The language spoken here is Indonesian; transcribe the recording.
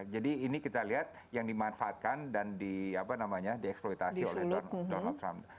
jadi ini kita lihat yang dimanfaatkan dan dieksploitasi oleh donald trump